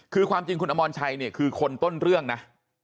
คือความจริงคุณอมรชัยเนี่ยคือคนต้นเรื่องนะ